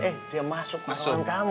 eh dia masuk ke ruang kamu